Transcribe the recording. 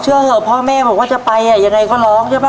เชื่อเหรอพ่อแม่บอกว่าจะไปยังไงก็ร้องใช่ปะ